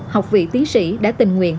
học vị tiến sĩ đã tình nguyện